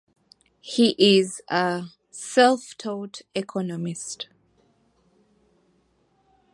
He is a "self taught" economist.